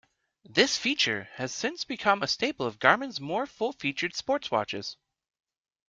This feature has since become a staple of Garmin's more full-featured sport watches.